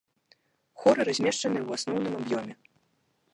Хоры размешчаныя ў асноўным аб'ёме.